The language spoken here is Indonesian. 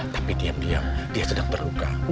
tapi diam diam dia sedang terluka